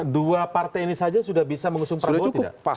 dua partai ini saja sudah bisa mengusung prabowo tidak